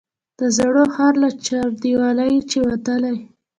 د زاړه ښار له چاردیوالۍ چې ووتلې.